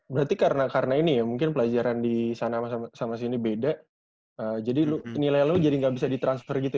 berarti karena ini ya mungkin pelajaran disana sama sini beda jadi nilai lu jadi gak bisa di transfer gitu ya